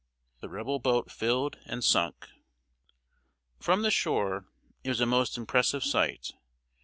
The Rebel boat filled and sunk. From the shore, it was a most impressive sight.